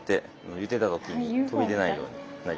ゆでた時に飛び出ないようになります。